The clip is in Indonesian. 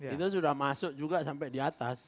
itu sudah masuk juga sampai di atas